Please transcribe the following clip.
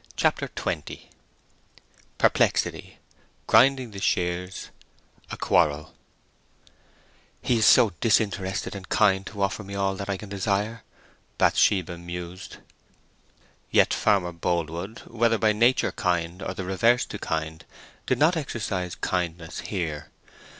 CHAPTER XX PERPLEXITY—GRINDING THE SHEARS—A QUARREL "He is so disinterested and kind to offer me all that I can desire," Bathsheba mused. Yet Farmer Boldwood, whether by nature kind or the reverse to kind, did not exercise kindness here.